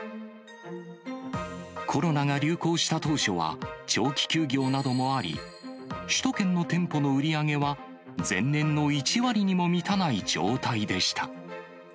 コロナが流行した当初は、長期休業などもあり、首都圏の店舗の売り上げは、前年の１割にも満たない状態でした。